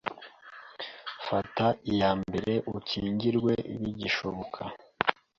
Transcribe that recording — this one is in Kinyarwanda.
fata iya mbere ukingirwe bigishoboka!